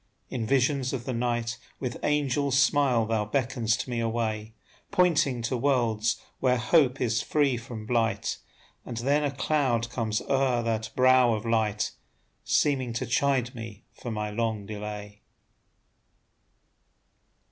In visions of the night With angel smile thou beckon'st me away, Pointing to worlds where hope is free from blight; And then a cloud comes o'er that brow of light, Seeming to chide me for my long delay.